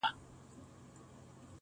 سل ځله مي خپل کتاب له ده سره کتلی دی!